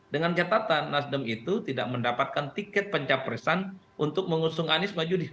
dengan catatan nasdem itu tidak mendapatkan tiket pencapresan untuk mengusung anis maju di dua ribu dua puluh empat